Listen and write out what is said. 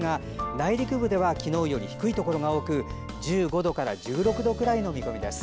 内陸部では昨日より低いところが多く１５度から１６度くらいの予想です。